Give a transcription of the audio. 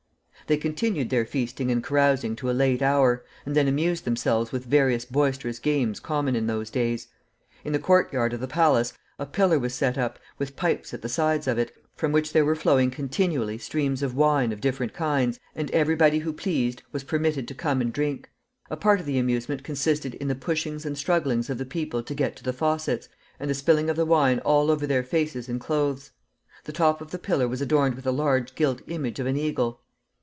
They continued their feasting and carousing to a late hour, and then amused themselves with various boisterous games common in those days. In the court yard of the palace a pillar was set up, with pipes at the sides of it, from which there were flowing continually streams of wine of different kinds, and every body who pleased was permitted to come and drink. A part of the amusement consisted in the pushings and strugglings of the people to get to the faucets, and the spilling of the wine all over their faces and clothes. The top of the pillar was adorned with a large gilt image of an eagle.